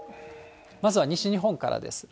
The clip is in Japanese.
まずは西日本からです。